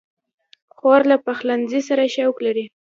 خور له پخلنځي سره شوق لري.